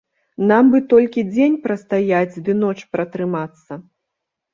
Нам бы толькі дзень прастаяць ды ноч пратрымацца.